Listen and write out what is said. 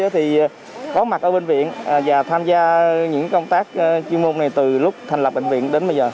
thì có mặt ở bệnh viện và tham gia những công tác chuyên môn này từ lúc thành lập bệnh viện đến bây giờ